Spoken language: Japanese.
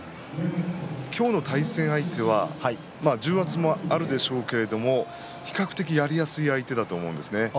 今日の対戦相手は重圧もあるでしょうけれど比較的やりやすい相手だと思うんですね。